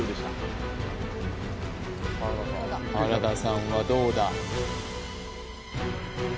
原田さんはどうだ？